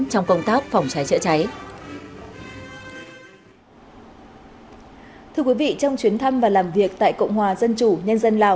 trong công tác phòng cháy trợ cháy